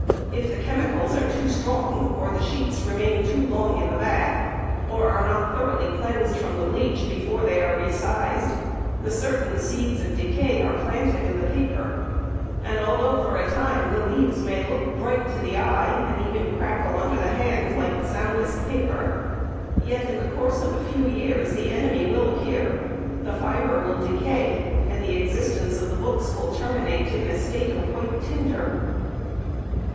If the chemicals are too strong, or the sheets remain too long in the bath, or are not thoroughly cleansed from the bleach before they are re sized, the certain seeds of decay are planted in the paper, and although for a time the leaves may look bright to the eye, and even crackle under the hand like the soundest paper, yet in the course of a few years the enemy will appear, the fibre will decay, and the existence of the books will terminate in a state of white tinder.